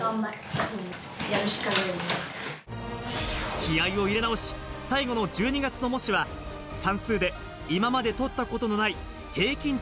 気合いを入れ直し、最後の１２月の模試は算数で今まで取ったことのない平均点